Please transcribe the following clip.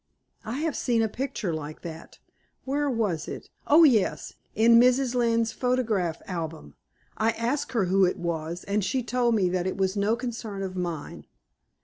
I have seen a picture like that where was it? Oh, yes; in Mrs. Lynne's photograph album. I asked her who it was, and she told me that it was no concern of mine.